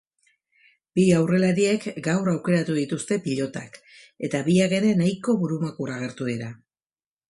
Bi aurrelariek gaur aukeratu dituzte pilotak eta biak ere nahiko burumakur agertu dira.